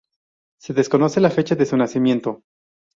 Se desconoce la fecha de su nacimiento.